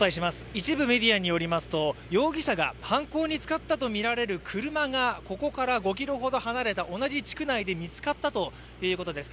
一部メディアによりますと容疑者が犯行に使ったとみられる車がここから５ｋｍほど離れた同じ地区内で見つかったということです。